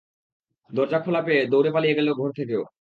দরজা খোলা পেয়ে দৌড়ে পালিয়ে গেল ঘর থেকেও।